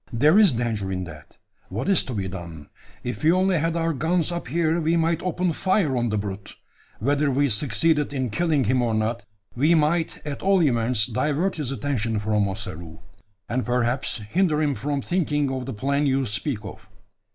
"There is danger in that. What is to be done? If we only had our guns up here, we might open fire on the brute. Whether we succeeded in killing him or not, we might at all events divert his attention from Ossaroo, and perhaps hinder him from thinking of the plan you speak of.